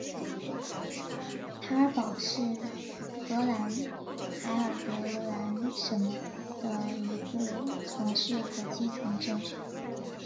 埃尔堡是荷兰海尔德兰省的一个城市和基层政权。